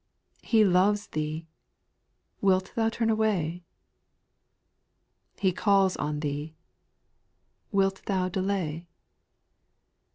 He loves thee ! Wilt thou turn away ? He calls thee on ! Wilt thou delay